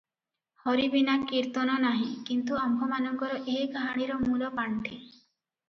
'ହରି ବିନା କୀର୍ତ୍ତନ ନାହିଁ ।' କିଣୁ ଆମ୍ଭମାନଙ୍କର ଏହି କାହାଣୀର ମୂଳ ପାଣ୍ଠି ।